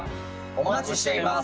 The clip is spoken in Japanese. お待ちしています！